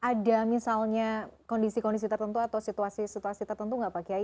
ada misalnya kondisi kondisi tertentu atau situasi situasi tertentu nggak pak kiai